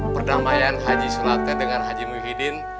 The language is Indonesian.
perdamaian haji sulate dengan haji muhyiddin